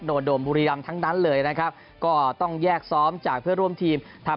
ก็จะมีการลงรายละเอียดที่สุดในการเล่นเกมวันนี้ครับ